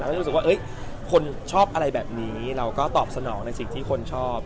รู้สึกว่าคนชอบอะไรแบบนี้เราก็ตอบสนองในสิ่งที่คนชอบ